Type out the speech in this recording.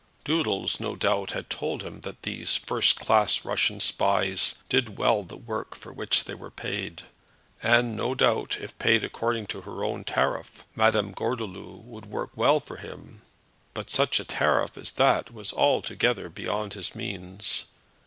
Doodles, no doubt, had told him that these first class Russian spies did well the work for which they were paid; and no doubt, if paid according to her own tariff, Madame Gordeloup would work well for him; but such a tariff as that was altogether beyond his means!